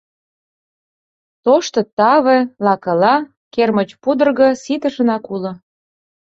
Тошто таве, лакыла, кермыч пудырго ситышынак уло.